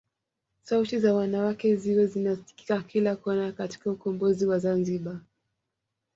Sauti za wanawake ziwe zinasikika kila kona katika ukombozi wa Zanzibar